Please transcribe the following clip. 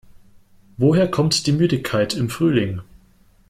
Woher kommt die Müdigkeit im Frühling?